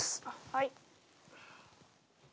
はい。